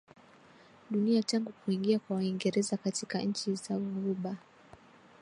dunia Tangu kuingia kwa Waingereza katika nchi za ghuba